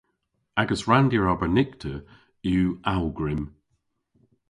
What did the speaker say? Agas ranndir arbennikter yw awgwrym.